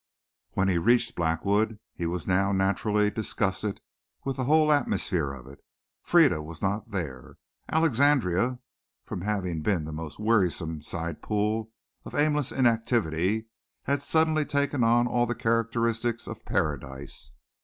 When he reached Blackwood he was now, naturally, disgusted with the whole atmosphere of it. Frieda was not there. Alexandria, from having been the most wearisome sidepool of aimless inactivity, had suddenly taken on all the characteristics of paradise.